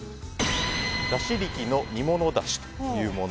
だし力の煮物だしというもの。